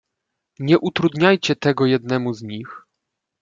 "Nie utrudniajcie tego jednemu z nich."